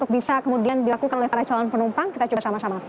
bisa kemudian dilakukan oleh para calon penumpang kita coba sama sama